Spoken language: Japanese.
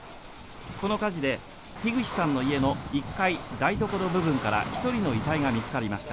この火事で樋口さんの家の１階台所部分から１人の遺体が見つかりました。